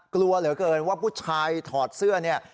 กลัวเหลือเกินว่าผู้ชายถอดเสื้อเนี่ย